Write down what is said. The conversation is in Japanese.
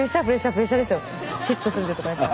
「ヒットするで」とか言ったら。